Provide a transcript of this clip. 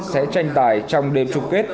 sẽ tranh tài trong đêm trục kết